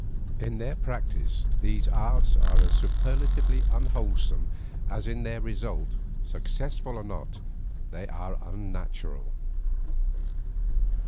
In their practice these arts are as superlatively unwholesome as in their result, successful or not, they are unnatural.